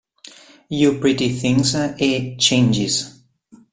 You Pretty Things" e "Changes".